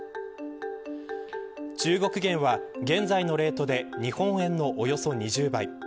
中国元は現在のレートで日本円のおよそ２０倍。